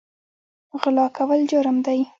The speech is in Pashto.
غلا کول جرم دی